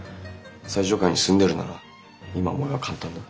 最上階に住んでるなら今思えば簡単だ。